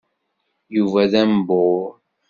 Yuba d ambur.